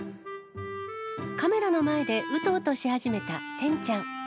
カメラの前でうとうとし始めたてんちゃん。